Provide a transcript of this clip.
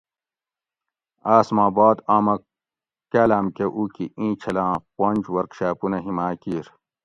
آس ما باد آمہ کالاۤم کہ اُکی ایچھلاں پونج ورکشاپونہ ھیما کیر